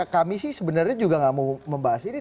kami sih sebenarnya juga nggak mau membahas ini